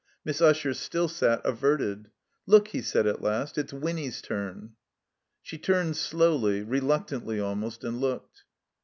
Miss Usher still sat averted. ''Look," he said, at last, ''it's Winny's turn.'' She turned slowly, reluctantly almost, and looked.